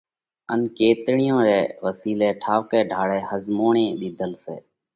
ان ڪيتڻِيون رئہ وسِيلئہ ٺائُوڪئہ ڍاۯئہ ۿزموڻئِي ۮِيڌل سئہ۔